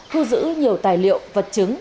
thu giữ nhiều tài liệu vật chứng